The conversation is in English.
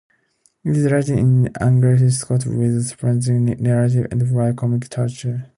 It is written in anglified Scots, with a sprightly narrative and wry comic touches.